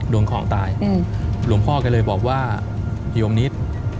โดนของตายหลวงพ่อก็เลยบอกว่าโยมนิด